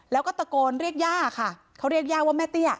แล้วก็ตะโกนเรียกย่าค่ะเขาเรียกย่าว่าแม่เตี้ย